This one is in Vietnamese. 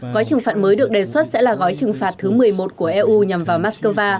gói trừng phạt mới được đề xuất sẽ là gói trừng phạt thứ một mươi một của eu nhằm vào moscow